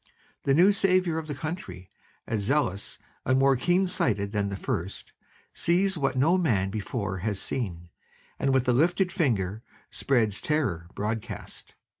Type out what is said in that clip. The new saviour of the country, as zealous and more keen sighted than the first, sees what no man before had seen and with a lifted finger spreads terror broadcast.